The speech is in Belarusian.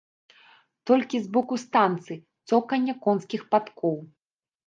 Толькі з боку станцыі цоканне конскіх падкоў.